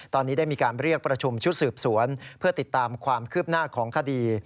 ตอนนี้ได้มีการเรียกประชุมชุดสืบสวนเพื่อติดตามความคืบหน้าของคดี